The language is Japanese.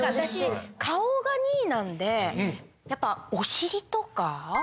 顔が２位なんでやっぱお尻とか？